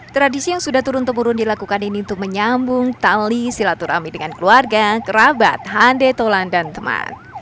tradisi yang sudah turun temurun dilakukan ini untuk menyambung tali silaturahmi dengan keluarga kerabat hande tolan dan teman